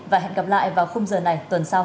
và hẹn gặp lại vào khung giờ này tuần sau